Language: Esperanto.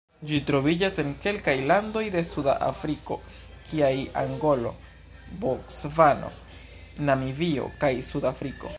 Ĝi troviĝas en kelkaj landoj de Suda Afriko kiaj Angolo, Bocvano, Namibio kaj Sudafriko.